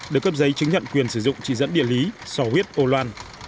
được cấp giấy chứng nhận quyền sử dụng chỉ dẫn địa lý so huyết âu loan